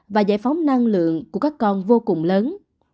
và giải phóng năng lượng của các con vô cùng lớn